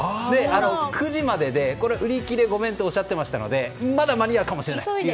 ９時までで売り切れ御免とおっしゃっていましたのでまだ間に合うかもしれない。